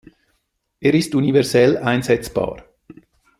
Er ist universell einsetzbar.